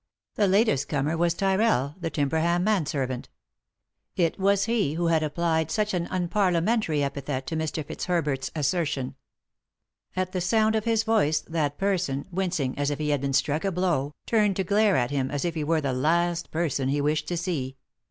The latest comer was Tyrrell, the Tiinberham manservant It was he who had applied such an unparliamentary epithet to Mr. Fitzherbert's assertion. At the sound of his voice that person, wincing as if he had been struck a blow, turned to glare at him as if he were the last person he wished to see.